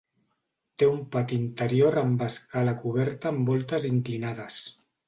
Té un pati interior amb escala coberta amb voltes inclinades.